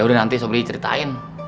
udah nanti sobri ceritain